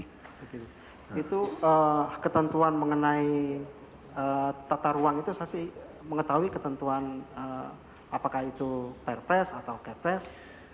itu ketentuan mengenai tata ruang itu saya sih mengetahui ketentuan apakah itu perpres atau kepres